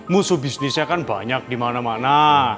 musuh bisnisnya kan banyak dimana mana